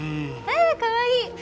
あーかわいい！